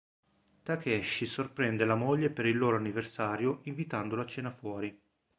Takeshi sorprende la moglie per il loro anniversario invitandolo a cena fuori.